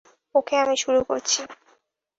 ওকে, আমি শুরু করছি!